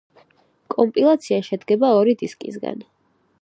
კომპილაცია შედგება ორი დისკისგან.